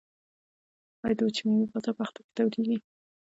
آیا د وچې میوې بازار په اختر کې تودیږي؟